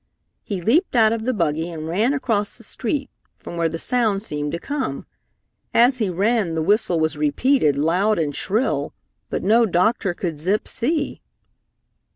He leaped out of the buggy and ran across the street, from where the sound seemed to come. As he ran the whistle was repeated loud and shrill, but no doctor could Zip see.